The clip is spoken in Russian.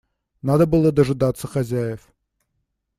Надо было дожидаться хозяев.